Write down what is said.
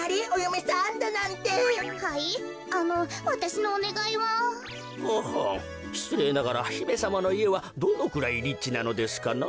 しつれいながらひめさまのいえはどのくらいリッチなのですかな？